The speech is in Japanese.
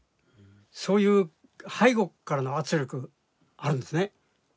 そういう背後からの圧力あるんですね。